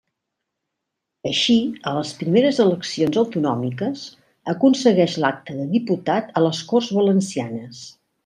Així, a les primeres eleccions autonòmiques aconsegueix l'acta de diputat a les Corts Valencianes.